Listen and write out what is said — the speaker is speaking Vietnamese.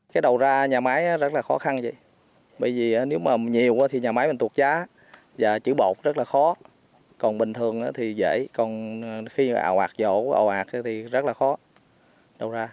cái đầu ra nhà máy rất là khó khăn vậy bởi vì nếu mà nhiều quá thì nhà máy mình tuột giá và chữ bột rất là khó còn bình thường thì dễ còn khi ảo ạc vỗ ảo ạc thì rất là khó đầu ra